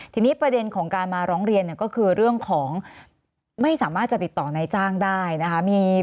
ทีนี้ประเด็นของการมาร้องเรียนก็คือเรื่องของไม่สามารถจะติดต่อนายจ้างได้นะคะ